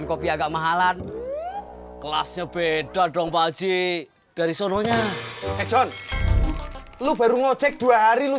kopi agak mahalan kelasnya beda dong pak haji dari sononya kecon lu baru ngecek dua hari lu